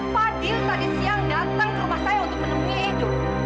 fadil tadi siang datang ke rumah saya untuk menemui edo